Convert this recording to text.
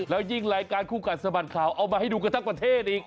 แล้วยิ่งรายการคู่กัดสะบัดข่าวเอามาให้ดูกันทั้งประเทศอีก